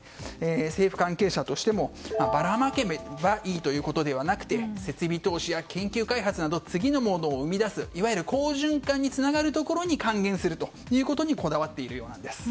政府関係者としてもばらまけばいいということではなくて設備投資、研究・開発など次のモードを生み出すいわゆる好循環につながるところに還元するということにこだわっているようなんです。